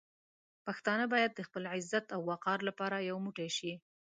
پښتانه باید د خپل عزت او وقار لپاره یو موټی شي.